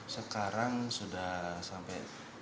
sekarang sudah sampai